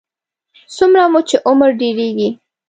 څومره مو چې عمر ډېرېږي.